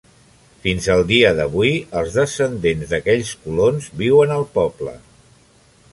Fins al dia d'avui, els descendents d'aquells colons viuen al poble.